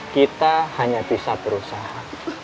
kita hanya bisa berusaha